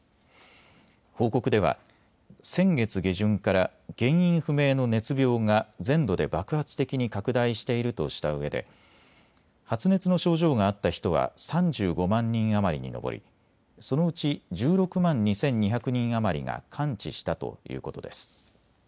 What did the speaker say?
報告では先月下旬から原因不明の熱病が全土で爆発的に拡大しているとしたうえで発熱の症状があった人は３５万人余りに上りそのうち１６万２２００人余りが完治したということです。